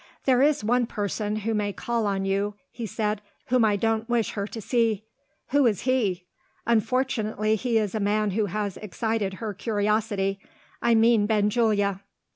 "There is one person who may call on you," he said, "whom I don't wish her to see." "Who is he?" "Unfortunately, he is a man who has excited her curiosity. I mean Benjulia."